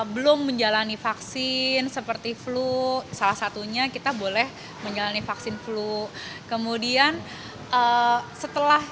belum menjalani vaksin seperti flu salah satunya kita boleh menjalani vaksin flu kemudian setelah